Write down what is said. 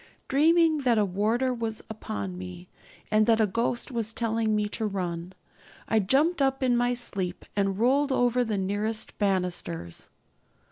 Dreaming that a warder was upon me, and that a ghost was telling me to run, I jumped up in my sleep and rolled over the nearest banisters.